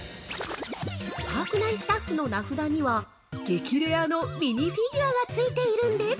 パーク内スタッフの名札には激レアのミニフィギュアがついているんです。